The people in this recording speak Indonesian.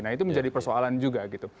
nah itu menjadi persoalan juga gitu